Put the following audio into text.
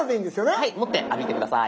はい持って歩いて下さい。